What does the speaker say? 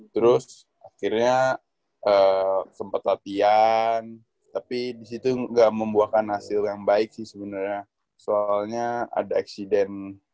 terus akhirnya sempat latihan tapi disitu nggak membuahkan hasil yang baik sih sebenarnya soalnya ada eksiden